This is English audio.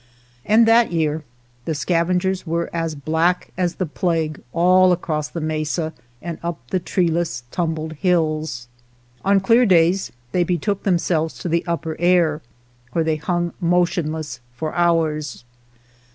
And that year the scavengers were as black as the plague all across the mesa and up the treeless, tumbled hills. On clear days they betook them selves to the upper air, where they hung motionless for hours.